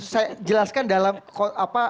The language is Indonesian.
saya jelaskan dalam apa